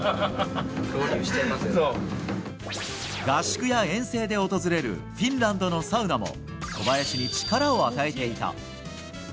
合宿や遠征で訪れるフィンランドのサウナも小林に力を与えていた。